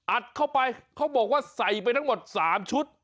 อัดเข้าไปเขาบอกว่าใส่ไปทั้งหมด๓ชุด